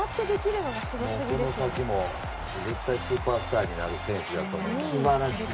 この先も絶対スーパースターになる選手やと思います。